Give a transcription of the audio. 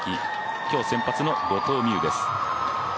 今日先発の後藤希友です。